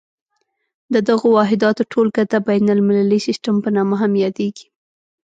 د دغو واحداتو ټولګه د بین المللي سیسټم په نامه هم یادیږي.